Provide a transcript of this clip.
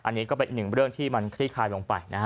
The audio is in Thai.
อันนี้ก็เป็นอีกหนึ่งเรื่องที่มันคลี่คลายลงไปนะฮะ